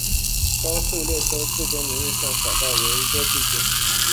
高速自动车国道名义上的法定路线名分别为近畿自动车道尾鹫多气线。